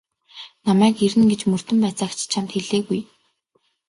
Намайг ирнэ гэж мөрдөн байцаагч чамд хэлээгүй.